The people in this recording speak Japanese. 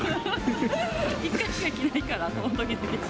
１回しか着ないから、そのときに。